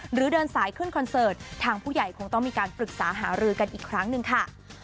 เดินสายขึ้นคอนเสิร์ตทางผู้ใหญ่คงต้องมีการปรึกษาหารือกันอีกครั้งหนึ่งค่ะ